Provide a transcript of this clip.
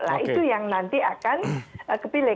nah itu yang nanti akan kepilih